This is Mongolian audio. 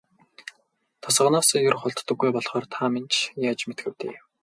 Тосгоноосоо ер холддоггүй болохоор та минь ч яаж мэдэх вэ дээ.